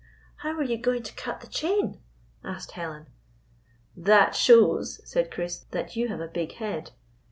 "How were you going to cut the chain?" asked Helen. " That shows," said Chris, " that you have a big head.